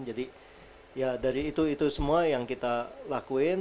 jadi ya dari itu itu semua yang kita lakuin